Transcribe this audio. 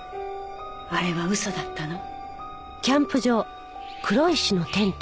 あれは嘘だったの？